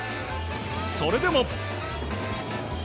それでも。